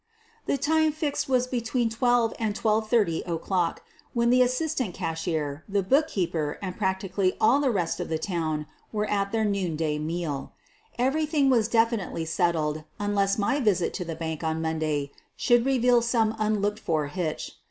The time fixed was between 12 and 12 :30 o 'clock, when the assistant cashier, the bookkeeper, and practically all the rest of the town were at their noonday meal. Everything was definitely settled unless my visit to the bank on Monday should reveal some unlooked for hitch.